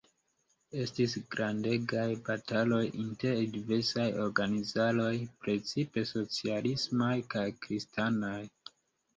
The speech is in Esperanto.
Estis grandegaj bataloj inter diversaj organizaroj, precipe socialismaj kaj kristanaj.